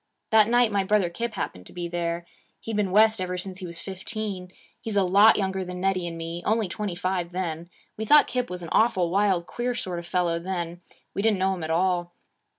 'That night my brother Kip happened to be there. He'd been West ever since he was fifteen. He's a lot younger than Nettie and me only twenty five, then. We thought Kip was an awful wild, queer sort of fellow, then; we didn't know him at all.